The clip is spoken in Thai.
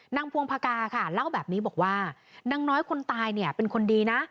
พวงพากาค่ะเล่าแบบนี้บอกว่านางน้อยคนตายเนี่ยเป็นคนดีนะ